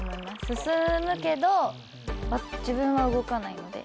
進むけど自分は動かないので。